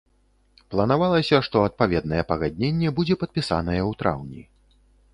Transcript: Планавалася, што адпаведнае пагадненне будзе падпісанае ў траўні.